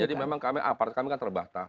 jadi memang kami apart kami kan terbatas